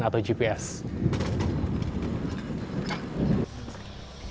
sistem pelacakan atau gps